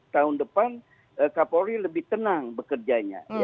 tahun depan kapolri lebih tenang bekerjanya